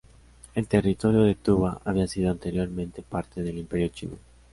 El territorio de Tuvá había sido anteriormente parte del Imperio chino.